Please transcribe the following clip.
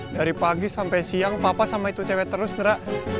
dari pagi sampai siang papa sama itu cewek terus ngerak